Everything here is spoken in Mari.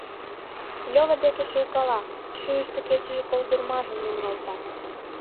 Лёва деке шуйкала, шӱйыштӧ кечыше колдырмажым лӱҥгалта.